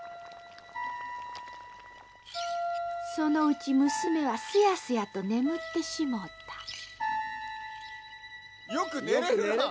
［そのうち娘はすやすやと眠ってしもうた］